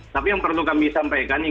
tapi yang perlu kami sampaikan